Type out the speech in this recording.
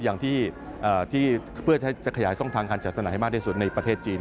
อย่างที่เพื่อจะขยายช่องทางการจัดตลาดให้มากที่สุดในประเทศจีน